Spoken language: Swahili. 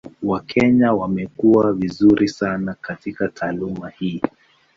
Wakenya wamekuwa vizuri sana katika taaluma hii.